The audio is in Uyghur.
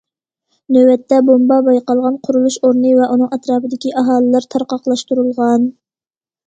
نۆۋەتتە، بومبا بايقالغان قۇرۇلۇش ئورنى ۋە ئۇنىڭ ئەتراپىدىكى ئاھالىلەر تارقاقلاشتۇرۇلغان.